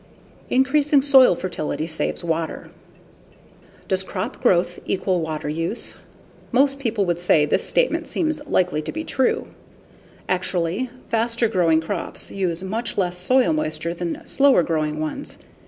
Increasing Soil Fertility Saves Water Does crop growth equal water use? Most people would say this statement seems likely to be true. Actually, faster growing crops use much less soil moisture than slower growing ones.